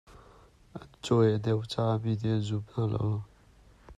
An cuai a neo caah mi nih an zum hna lo.